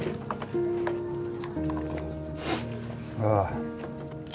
ああ。